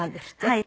はい。